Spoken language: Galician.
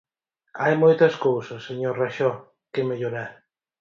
Hai moitas cousas, señor Raxó, que mellorar.